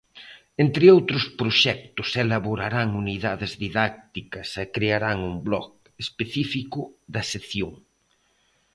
Entre outros proxectos elaborarán unidades didácticas e crearán un blog específico da sección.